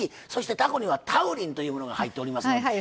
たこにはタウリンというものが入っておりますので。